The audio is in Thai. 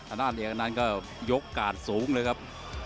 อันนั้นเอกอันนันยกกะสูงเลยครับ